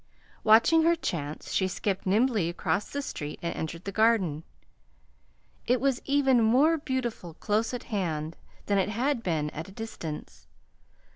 Watching her chance she skipped nimbly across the street and entered the Garden. It was even more beautiful close at hand than it had been at a distance.